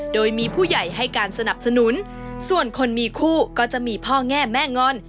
โดยมีผู้ใหญ่ให้การสนับสนุนส่วนคนมีคู่ก็จะมีพ่อแง่แม่งอน